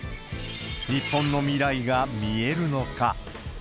日本の未来が見えるのか。